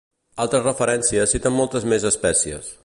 Altres referències citen moltes més espècies.